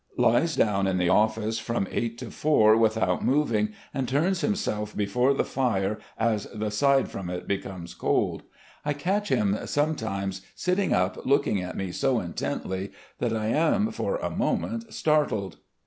Lies down in the office from eight to four without moving, and turns himself 8 RECOLLECTIONS OF GENERAL LEE before the fire as the side from it becomes cold. I catch him sometimes sitting up looking at me so intently that I am for a moment startled.